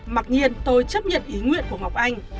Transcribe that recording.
mặc nhiên tôi chấp nhận ý nguyện của ngọc anh